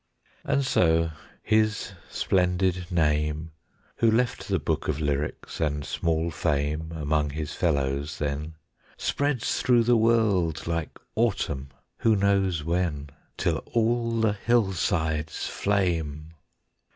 And so his splendid name, Who left the book of lyrics and small fame Among his fellows then, Spreads through the world like autumn who knows when? Till all the hillsides flame.